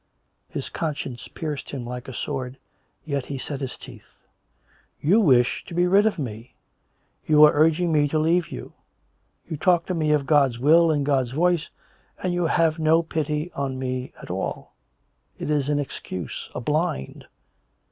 His conscience pierced him like a sword. Yet he set his teeth. " You wish to be rid of me. You are urging me to leave you. You talk to me of God's will and God's voice^ and you have no pity on me at all. It is an excuse — a blind."